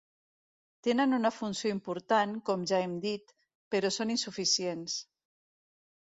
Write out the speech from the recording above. Tenen una funció important, com ja hem dit, però són insuficients.